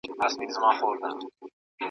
که ته په املا کي د کلمو ریښې وپېژنې.